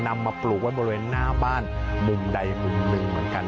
นำมาปลูกไว้บริเวณหน้าบ้านมุมใดมุมหนึ่งเหมือนกัน